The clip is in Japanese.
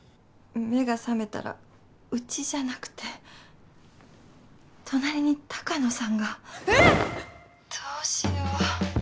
目が覚めたらうちじゃなくて隣に高野さんが。えっ！？